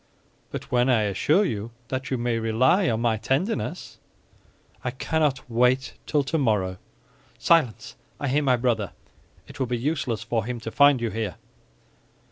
"But when I assure you that you may rely on my tenderness?" "I cannot wait till tomorrow." "Silence! I hear my brother. It will be useless for him to find you here."